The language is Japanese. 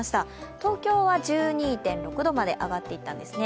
東京は１２．６度まで上がっていったんですね。